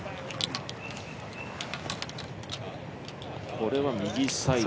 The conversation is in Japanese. これは右サイド。